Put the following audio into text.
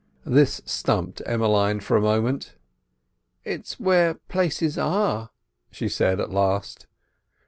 This stumped Emmeline for a moment. "It's where places are," she said at last.